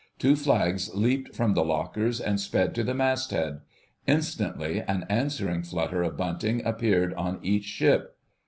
Two flags leaped from the lockers and sped to the masthead. Instantly an answering flutter of bunting appeared on each ship.